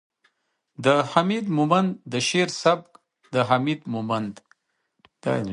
، د حميد مومند د شعر سبک ،د حميد مومند